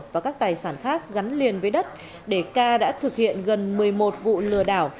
và các tài sản khác gắn liền với đất để ca đã thực hiện gần một mươi một vụ lừa đảo